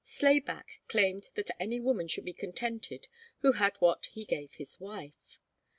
Slayback claimed that any woman should be contented who had what he gave his wife.